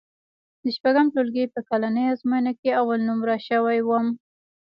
د شپږم ټولګي په کلنۍ ازموینه کې اول نومره شوی وم.